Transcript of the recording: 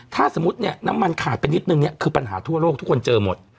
ถ้าสมมุติเนี่ยน้ำมันขาดไปนิดนึงเนี่ยคือปัญหาทั่วโลกทุกคนเจอหมด